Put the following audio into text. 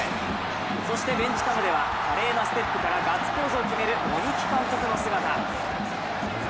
そしてベンチＣＡＭでは華麗なステップからガッツポーズする鬼木監督の姿。